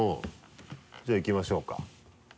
じゃあいきましょうか。